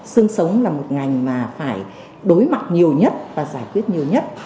sương sống là một ngành mà phải đối mặt nhiều nhất và giải quyết nhiều nhất